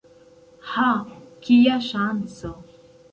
Ha! kia ŝanco!